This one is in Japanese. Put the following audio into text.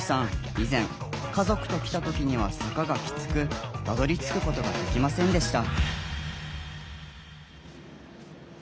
以前家族と来た時には坂がきつくたどりつくことができませんでした。